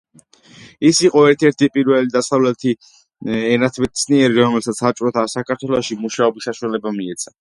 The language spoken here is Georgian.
ის იყო ერთ-ერთი პირველი დასავლელი ენათმეცნიერი, რომელსაც საბჭოთა საქართველოში მუშაობის საშუალება მიეცა.